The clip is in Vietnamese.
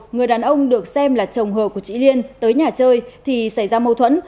người đàn ông được xem là chồng hờ của chị liên tới nhà chơi thì xảy ra mâu thuẫn